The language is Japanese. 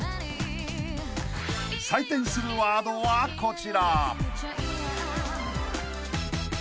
［採点するワードはこちら］